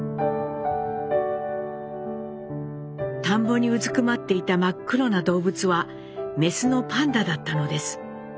田んぼにうずくまっていた真っ黒な動物はメスのパンダだったのです。